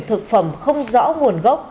thực phẩm không rõ nguồn gốc